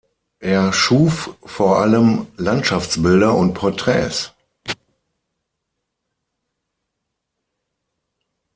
Er schuf vor allem Landschaftsbilder und Porträts.